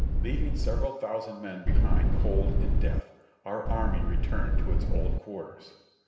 Leaving several thousand men behind cold in death, our army returned to its old quarters.